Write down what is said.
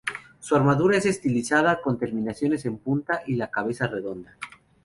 Su armadura es estilizada con terminaciones en punta y la cabeza redonda.